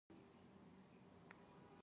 دښته د مینې د امتحان ځای دی.